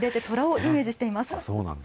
虎をイメージしています。